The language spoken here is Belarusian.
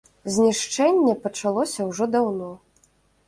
Знішчэнне пачалося ўжо даўно.